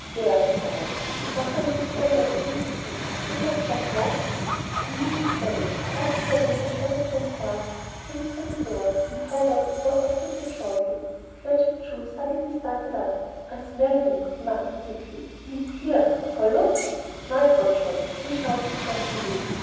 "There!" he growled, his upper lip drawn back over his teeth, "will that shut you up?" A moving shadow duskier than the shadows themselves came through the door and hovered over Osterbridge Hawsey. Claggett Chew suddenly started up. "I smell him!" he muttered thickly. "He's here! Hullo! Night watchman!" he shouted drunkenly.